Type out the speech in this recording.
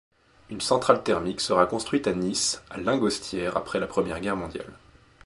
Une centrale thermique sera construite à Nice à Lingostière après la Première Guerre mondiale.